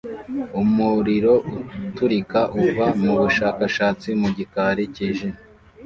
Umuriro uturika uva mubushakashatsi mu gikari cyijimye